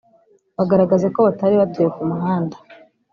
bagaragaza ko batari batuye ku muhanda